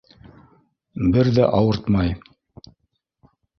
Бер ҙә ауыртмай.